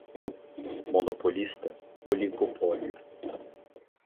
Monopolista, oligopólio